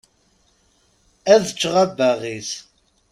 Ad ččeɣ abbaɣ-is.